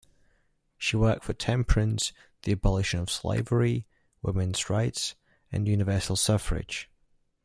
She worked for temperance, the abolition of slavery, women's rights and universal suffrage.